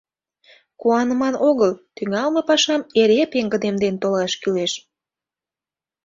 — Куаныман огыл, тӱҥалме пашам эре пеҥгыдемден толаш кӱлеш...